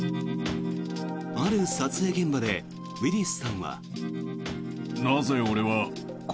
ある撮影現場でウィリスさんは。